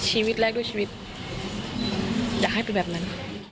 ชีวิตแรกด้วยชีวิตอยากให้เป็นแบบนั้น